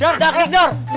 duh udah kaget duh